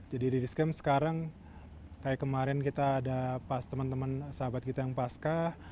jadi di rich camp sekarang kayak kemarin kita ada pas teman teman sahabat kita yang pascah